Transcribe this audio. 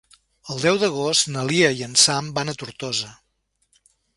El deu d'agost na Lia i en Sam van a Tortosa.